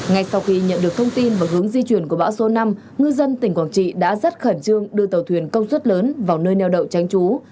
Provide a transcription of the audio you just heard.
ngay sau khi nhận được thông tin và hướng di chuyển của bão số năm ngư dân tỉnh quảng trị đã rất khẩn trương đưa tàu thuyền công suất lớn vào nơi neo đậu tránh trú